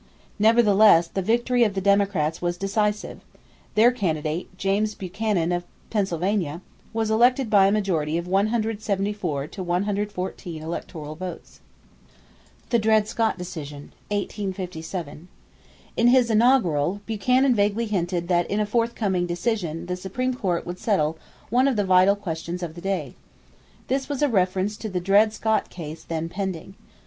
Nevertheless the victory of the Democrats was decisive. Their candidate, James Buchanan of Pennsylvania, was elected by a majority of 174 to 114 electoral votes. [Illustration: SLAVE AND FREE SOIL ON EVE OF CIVIL WAR] =The Dred Scott Decision (1857).= In his inaugural, Buchanan vaguely hinted that in a forthcoming decision the Supreme Court would settle one of the vital questions of the day. This was a reference to the Dred Scott case then pending.